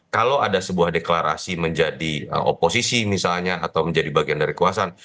kalau ada sebuah deklarasi menjadi oposisi misalnya atau menjadi bagian dari kekuasaan